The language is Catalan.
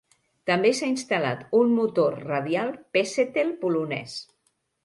També s'ha instal·lat un motor radial Pezetel polonès.